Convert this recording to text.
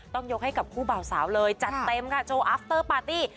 ยกให้กับคู่บ่าวสาวเลยจัดเต็มค่ะโจอัฟเตอร์ปาร์ตี้